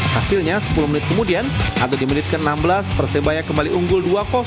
hasilnya sepuluh menit kemudian atau di menit ke enam belas persebaya kembali unggul dua